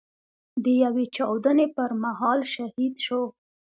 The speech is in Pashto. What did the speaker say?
د يوې چاودنې پر مهال شهيد شو.